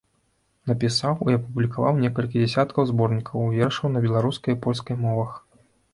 Напісаў і апублікаваў некалькі дзесяткаў зборнікаў вершаў на беларускай і польскай мовах.